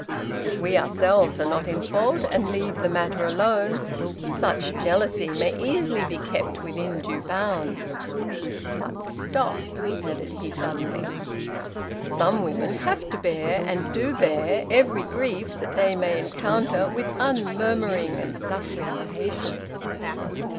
If we ourselves are not in fault, and leave the matter alone, such jealousy may easily be kept within due bounds. But stop" added he suddenly "Some women have to bear, and do bear, every grief that they may encounter with unmurmuring and suffering patience."